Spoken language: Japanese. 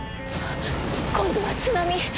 今度は津波！